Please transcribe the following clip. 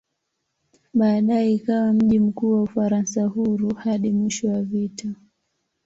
Baadaye ikawa mji mkuu wa "Ufaransa Huru" hadi mwisho wa vita.